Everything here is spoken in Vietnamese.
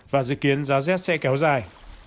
và dự kiến giá rét sẽ kéo dài